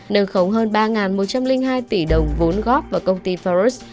nâng khống hơn ba một trăm linh hai tỷ đồng vốn góp vào công ty faros